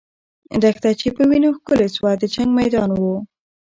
دښته چې په وینو ښکلې سوه، د جنګ میدان وو.